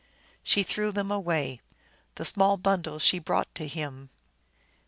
She threw them far away. The small bundle she brought to him.